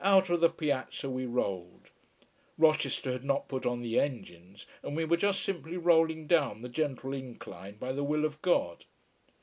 Out of the piazza we rolled, Rochester had not put on the engines and we were just simply rolling down the gentle incline by the will of God.